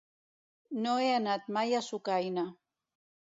No he anat mai a Sucaina.